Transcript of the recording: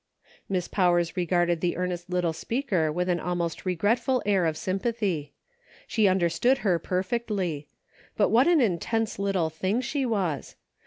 Miss Powers regarded the earnest little speaker with an almost regretful air of sympathy. She understood her perfectly ; but what an intense little thing she was